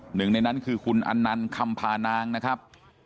หนึ่งในนั้นคือคุณอันนันต์คำพานางนะครับ